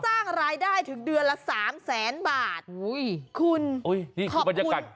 สร้างรายได้ถึงเดือนละสามแสนบาทอุ้ยคุณอุ้ยนี่คือบรรยากาศ